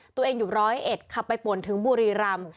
ตัวเองอยู่ร้อยเอ็ดขับไปป่นถึงบุรีรำ